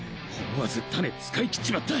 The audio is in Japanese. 思わずタネ使い切っちまった。